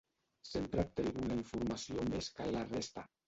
Sempre té alguna informació més que la resta.